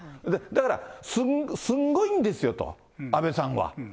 だから、すんごいんですよと、安倍さんは。